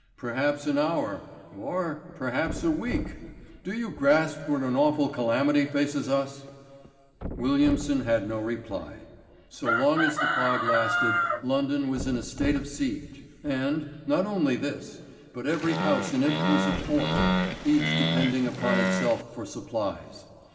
"Perhaps an hour or perhaps a week. Do you grasp what an awful calamity faces us?" Williamson had no reply. So long as the fog lasted, London was in a state of siege, and, not only this, but every house in it was a fort, each depending upon itself for supplies.